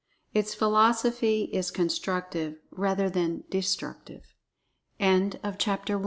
Its philosophy is Constructive rather than Destructive.[Pg 20] CHAPTE